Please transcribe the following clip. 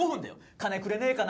「金くれねえかな」